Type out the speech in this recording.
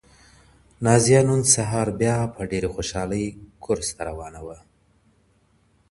نازیه نن سهار بیا په ډېرې خوشحالۍ کورس ته روانه وه.